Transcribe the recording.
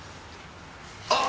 あっ！？